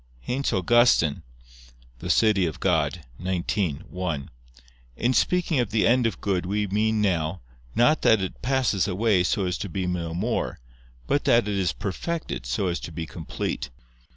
Hence Augustine (De Civ. Dei xix, 1): "In speaking of the end of good we mean now, not that it passes away so as to be no more, but that it is perfected so as to be complete."